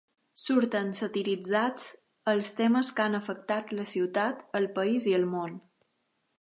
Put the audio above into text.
Surten satiritzats els temes que han afectat la ciutat, el país i el món.